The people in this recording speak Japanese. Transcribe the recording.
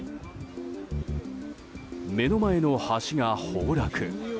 目の前の橋が崩落。